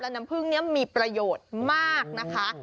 น้ำผึ้งนี้มีประโยชน์มากนะคะ